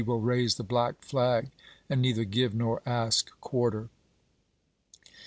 r. will raise the black flag and neither give nor ask pp 550, 551. quarter."